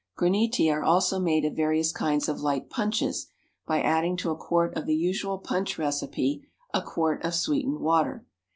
Graniti are also made of various kinds of light punches by adding to a quart of the usual punch recipe a quart of sweetened water.